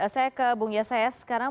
saya ke bung yeses sekarang